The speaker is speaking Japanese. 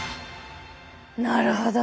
なるほどね。